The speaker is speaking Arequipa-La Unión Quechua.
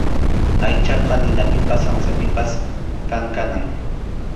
Aychaqa ninapipas sansapipas kankanam.